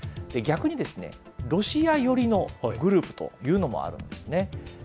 逆にロシア寄りのグループというのもあるんですね。